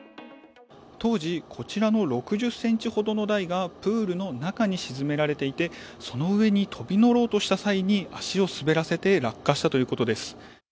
当時、こちらの６０ｃｍほどの台がプールの中に沈められていてその上に飛び乗ろうとした際に足を滑らせて落下したということです。